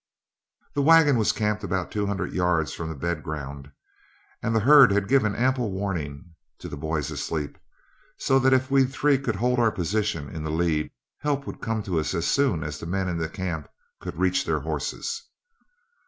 The wagon was camped about two hundred yards from the bed ground, and the herd had given ample warning to the boys asleep, so that if we three could hold our position in the lead, help would come to us as soon as the men in camp could reach their horses.